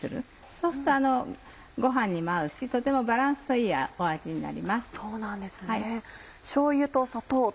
そうするとご飯にも合うしとてもバランスのいい味になります。